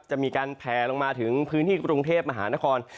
จะมีการแผลลงมาถึงพื้นที่กรุงเทพมหานคร